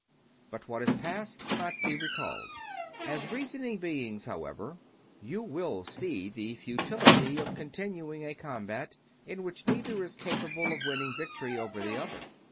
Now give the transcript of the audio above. But what is past cannot be recalled. As reasoning beings, however, you will see the futility of continuing a combat in which neither is capable of winning victory over the other.